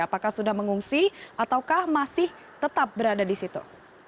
apakah sudah mengungsi ataukah masih tetap berada di situ